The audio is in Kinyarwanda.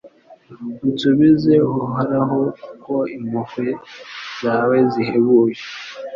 Unsubize Uhoraho kuko impuhwe zawe zihebuje